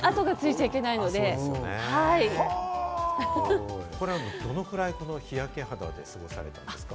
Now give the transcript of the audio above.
変に跡がついちゃいけないので、どのくらい日焼け肌で過ごされたんですか？